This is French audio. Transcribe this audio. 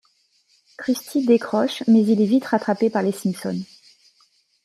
Krusty décroche mais il est vite rattrapé par les Simpson.